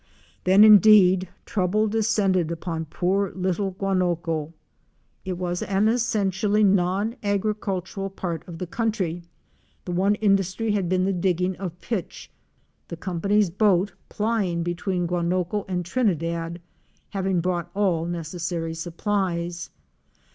Then indeed trouble descended upon poor little Guanoco. It was an essentially non agricultural part A WOMAN'S EXPERIENCES IN VENEZUELA. 107 of the country. The one industry had been the digging of pitch, the company's boat plying between Guanoco and Trini dad having brought all necessary supplies.